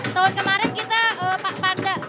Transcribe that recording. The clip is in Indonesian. tahun kemarin kita pandang